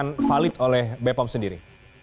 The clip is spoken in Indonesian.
ini tidak akan valid oleh b pom sendiri